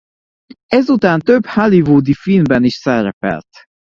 Ezután több hollywoodi filmben is szerepelt.